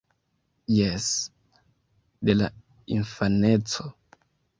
Jes, de la infaneco!